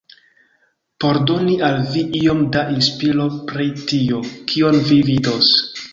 Por doni al vi iom da inspiro pri tio, kion vi vidos